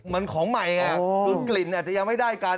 มันของใหม่ไงคือกลิ่นอาจจะยังไม่ได้กัน